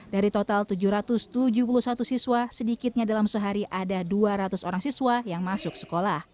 dari total tujuh ratus tujuh puluh satu siswa sedikitnya dalam sehari ada dua ratus orang siswa yang masuk sekolah